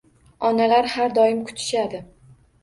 Onalar har doim kutishadi